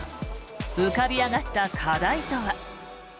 浮かび上がった課題とは。